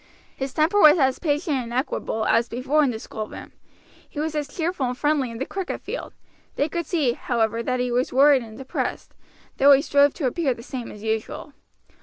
His temper was as patient and equable as before in the schoolroom; he was as cheerful and friendly in the cricket field, They could see, however, that he was worried and depressed, though he strove to appear the same as usual.